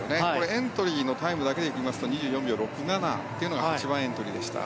エントリーのタイムだけでいきますと２４秒６７というのが８番エントリーでした。